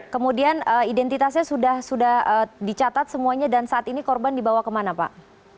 kemudian identitasnya sudah dicatat semuanya dan saat ini korban dibawa kemana pak